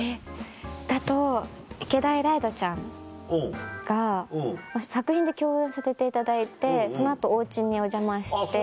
だと池田エライザちゃんが作品で共演させていただいてその後お家にお邪魔して。